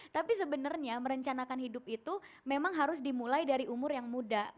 tapi sebenarnya merencanakan hidup itu memang harus dimulai dari umur yang muda